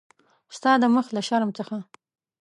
ستا د مخ له شرم څخه.